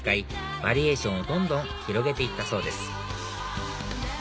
バリエーションをどんどん広げていったそうです